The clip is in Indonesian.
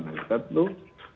nah kita tuh